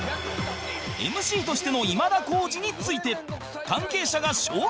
ＭＣ としての今田耕司について関係者が証言